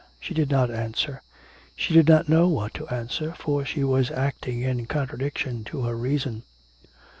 She did not answer. She did not know what to answer, for she was acting in contradiction to her reason.